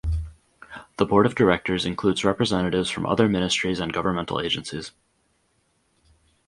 The board of directors includes representatives from other ministries and governmental agencies.